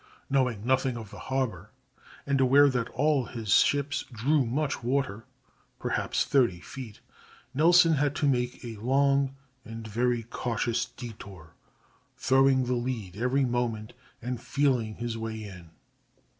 Knowing nothing of the harbor, and aware that all his ships drew much water,—perhaps thirty feet,—Nelson had to make a long and very cautious detour, throwing the lead every moment and feeling his way in.